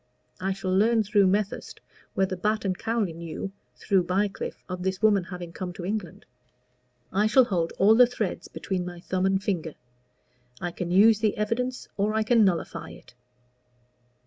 I shall learn through Methurst whether Batt & Cowley knew, through Bycliffe, of this woman having come to England. I shall hold all the threads between my thumb and finger. I can use the evidence or I can nullify it.